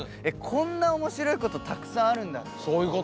こんな面白いことたくさんあるんだって思いました。